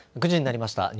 ９時になりました。